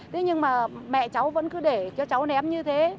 thế nhưng mà mẹ cháu vẫn cứ để cho cháu ném như thế